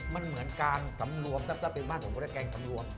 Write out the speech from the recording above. มันเหมือนการสำรวมถ้าเป็นบ้านผมก็ได้แกงสำรวม